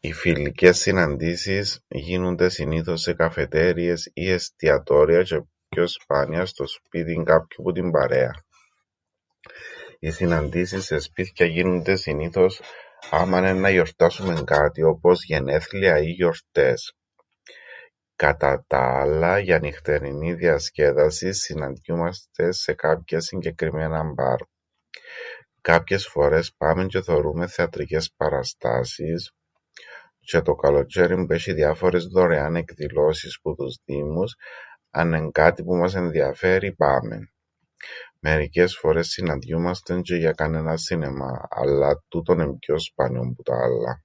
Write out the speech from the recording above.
Οι φιλικές συναντήσεις γίνουνται συνήθως σε καφετέριες ή εστιατόρια τζ̆αι πιο σπάνια στο σπίτιν κάποιου που την παρέαν. Οι συναντήσεις σε σπίθκια γίνουνται συνήθως άμαν εννά γιορτάσουμεν κάτι όπως γενέθλια ή γιορτές. Κατά τα άλλα για νυχτερινήν διασκέδασην συναντιούμαστεν σε κάποια συγκεκριμένα μπαρ. Κάποιες φορές πάμεν τζ̆αι θωρούμεν θεατρικές παραστάσεις τζ̆αι το καλοτζ̆αίριν που έσ̆ει διάφορες δωρεάν εκδηλώσεις που τους δήμους αννέν' κάτι που μας εδιαφέρει πάμεν. Μερικές φορές συναντιούμαστεν τζ̆αι για κανέναν σινεμά, αλλά τούτον εν' πιο σπάνιον που τα άλλα.